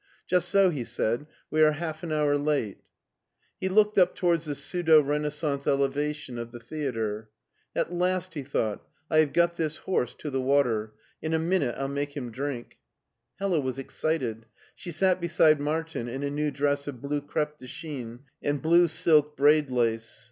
"Just so," he said; "we are half an hour late." He looked up towards the pseudo renaissance eleva" tion of the theater. " At last," he thought, " I have got this horse to the water. In a minute I'll make him drink." HcUa was excited. She sat beside Martin in a new dress of blue crepe de Chine and blue silk braid lace.